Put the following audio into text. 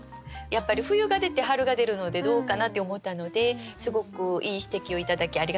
やっぱり「冬」が出て「春」が出るのでどうかなって思ったのですごくいい指摘を頂きありがとうございました。